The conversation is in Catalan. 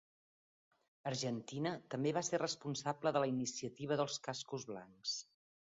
Argentina també va ser responsable de la iniciativa dels Cascos Blancs.